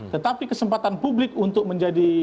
tetapi kesempatan publik untuk menjadi